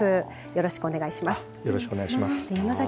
よろしくお願いします。